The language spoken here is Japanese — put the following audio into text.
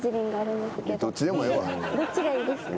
どっちがいいですか？